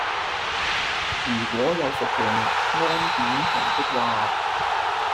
如果有服用胺碘酮的話